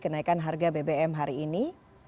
kenaikan harga bbm hari ini